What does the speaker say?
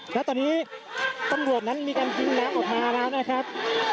และตอนนี้ตำรวจนั้นมีการยิงน้ำออกมาแล้วนะครับ